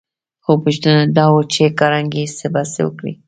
خو پوښتنه دا وه چې کارنګي به څه وکړي